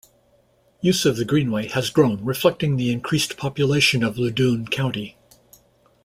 Use of the Greenway has grown, reflecting the increased population of Loudoun County.